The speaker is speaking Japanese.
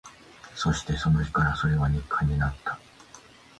そして、その日からそれは日課になった